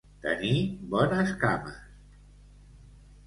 Tenir bones cames.